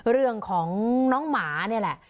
เรื่องของน้องหมานี่แหละ